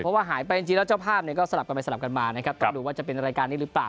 เพราะว่าหายไปจริงแล้วเจ้าภาพเนี่ยก็สลับกันไปสลับกันมานะครับต้องดูว่าจะเป็นรายการนี้หรือเปล่า